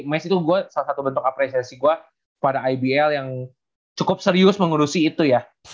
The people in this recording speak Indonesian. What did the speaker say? mes itu gue salah satu bentuk apresiasi gue pada ibl yang cukup serius mengurusi itu ya